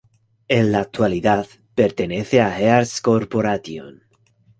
En la actualidad pertenece a Hearst Corporation.